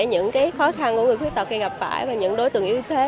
những khó khăn của người khuyết tật khi gặp phải và những đối tượng yếu thế